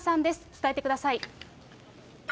伝えてください。